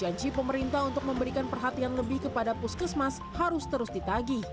janji pemerintah untuk memberikan perhatian lebih kepada puskesmas harus terus ditagi